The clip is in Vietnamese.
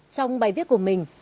trong bài viết của mình